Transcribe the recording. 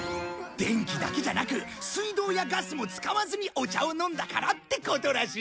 電気だけじゃなく水道やガスも使わずにお茶を飲んだからってことらしい。